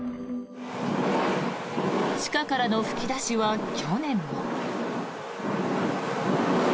地下からの噴き出しは去年も。